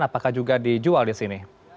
apakah juga dijual disini